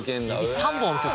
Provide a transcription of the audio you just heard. ３本ですよ。